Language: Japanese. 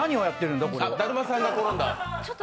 だるまさんがころんだ。